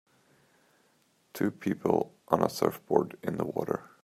Two people on a surfboard in the water